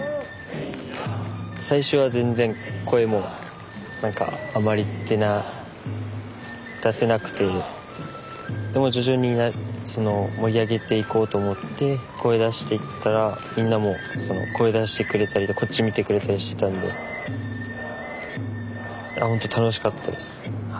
最初は全然声も何かあまり出な出せなくてでも徐々に盛り上げていこうと思って声出していったらみんなも声出してくれたりこっち見てくれたりしてたんでほんと楽しかったです。